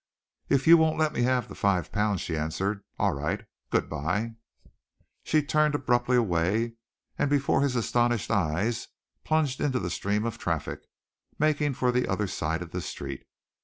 "If you won't let me have the five pounds," she answered, "all right. Good bye!" She turned abruptly away, and before his astonished eyes plunged into the stream of traffic, making for the other side of the street.